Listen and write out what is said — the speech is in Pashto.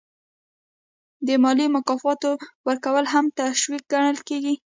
د مالي مکافاتو ورکول هم تشویق ګڼل کیږي.